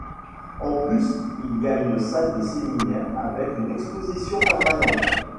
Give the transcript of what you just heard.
En plus, il y a une salle de séminaire avec une exposition permanente.